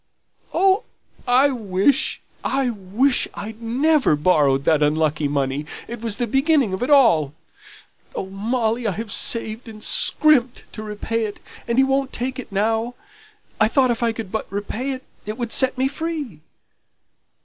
"Oh, I wish I wish I'd never borrowed that unlucky money, it was the beginning of it all. Oh, Molly, I have saved and scrimped to repay it, and he won't take it now; I thought if I could but repay it, it would set me free."